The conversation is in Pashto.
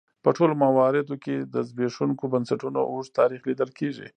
په ټولو مواردو کې د زبېښونکو بنسټونو اوږد تاریخ لیدل کېږي.